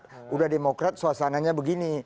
sudah demokrat suasananya begini